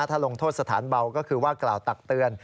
ถ้าลงโทษสถานเบาก็คือว่ากล่าวตักเตือน